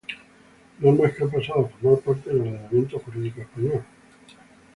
Normas que han pasado a formar parte del ordenamiento jurídico español.